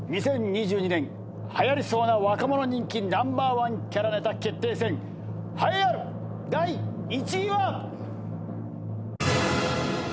２０２２年はやりそうな若者人気ナンバーワンキャラネタ決定戦栄えある第１位は。